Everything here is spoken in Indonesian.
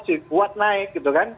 masih kuat naik gitu kan